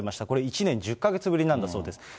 これ、１年１０か月ぶりなんだそうです。